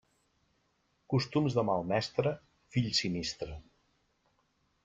Costums de mal mestre, fill sinistre.